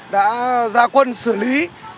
đã ra quân xử lý